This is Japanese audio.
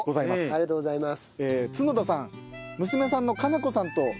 ありがとうございます。